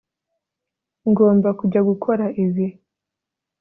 ngomba kujya gukora ibi